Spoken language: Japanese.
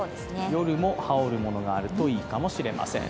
夜も羽織るものがあるといいかもしれません。